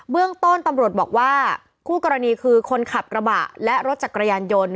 เรื่องต้นตำรวจบอกว่าคู่กรณีคือคนขับกระบะและรถจักรยานยนต์